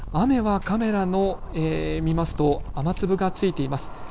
雨はカメラ見ますと、雨粒がついています。